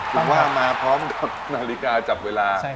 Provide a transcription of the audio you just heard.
ผมว่ามาพร้อมกับนาฬิกาจับเวลา